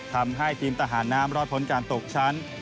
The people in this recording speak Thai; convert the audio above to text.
ทำให้ทีมทหารน้ำรอดพ้นการตกชั้น